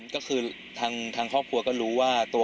ครบนี้ทะเลาะมีอะไรกันบ้าง